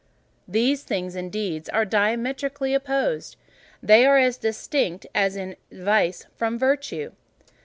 These things and deeds are diametrically opposed: they are as distinct as is vice from virtue.